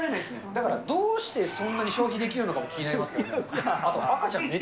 だからどうしてそんなに消費できるのか気になりますよね。